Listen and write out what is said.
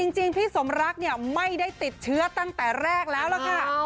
จริงพี่สมรักเนี่ยไม่ได้ติดเชื้อตั้งแต่แรกแล้วล่ะค่ะ